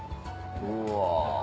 うわ。